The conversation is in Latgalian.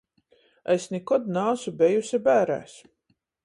Es nikod naasu bejuse bērēs.